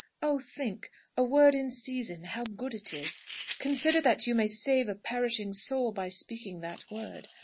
Oh think, a word in season, how good it is! Consider that you may save a perishing soul by speaking that word.